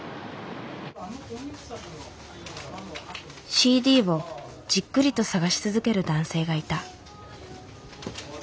ＣＤをじっくりと探し続ける男性がいた。